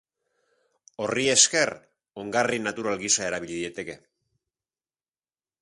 Horri esker, ongarri natural gisa erabil daiteke.